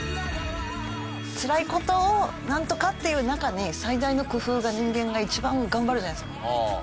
つらい事をなんとかっていう中に最大の工夫が人間が一番頑張るじゃないですか。